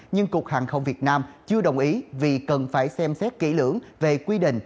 nhưng cục hàng không việt nam chưa đồng ý vì cần phải xem xét kỹ lưỡng về quy định